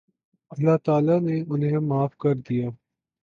اللہ تعالیٰ نے انھیں معاف کر دیا